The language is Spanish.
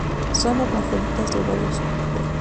Son hermafroditas de ovario súpero.